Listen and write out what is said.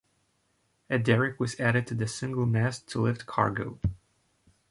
A derrick was added to the single mast to lift cargo.